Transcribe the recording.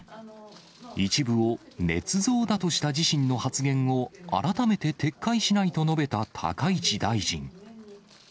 一部をねつ造だとした自身の発言を改めて撤回しないと述べた高市大臣。